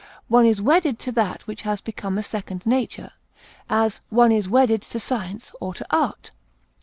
One is wedded to that which has become a second nature; as, one is wedded to science or to art.